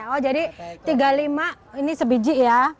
oh jadi tiga puluh lima ini sebiji ya